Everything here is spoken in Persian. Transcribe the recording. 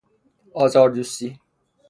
آزاردوستی